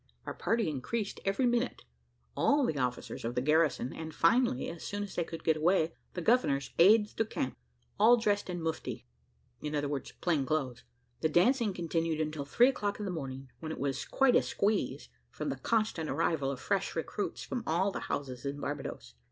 Our party increased every minute: all the officers of the garrison, and, finally, as soon as they could get away, the governor's aides de camp, all dressed in mufti (i.e. plain clothes). The dancing continued until three o'clock in the morning, when it was quite a squeeze, from the constant arrival of fresh recruits from all the houses in Barbadoes.